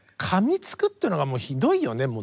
かみつくっていうのがもうひどいよね。